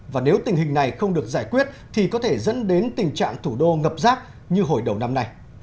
và nếu tình hình này không được giải quyết thì có thể dẫn đến tình trạng thủ đô ngập rác như hồi đầu năm nay